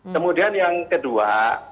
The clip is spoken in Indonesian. kemudian yang kedua